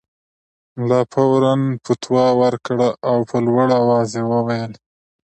ملا فوراً فتوی ورکړه او په لوړ اواز یې وویل.